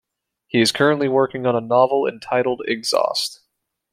He is currently working on a novel entitled "Exhaust".